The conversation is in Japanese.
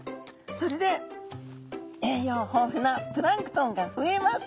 それで栄養豊富なプランクトンが増えます。